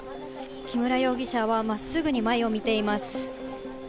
木村容疑者はまっすぐに前を見ています。